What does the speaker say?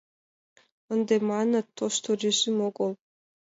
Ынде, маныт, тошто режим огыл.